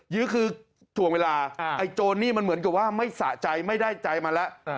ื้อคือถ่วงเวลาไอ้โจรนี่มันเหมือนกับว่าไม่สะใจไม่ได้ใจมาแล้ว